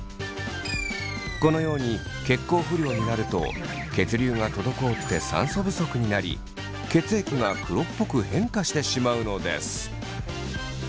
このように血行不良になると血流が滞って酸素不足になり血液が黒っぽく変化してしまうのです。